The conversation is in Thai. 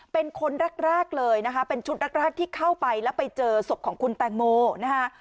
เป็นคนแรกเลยนะคะเป็นชุดแรกที่เข้าไปแล้วไปเจอศพของคุณแตงโมนะคะ